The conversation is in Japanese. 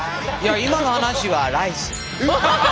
今の話はライス！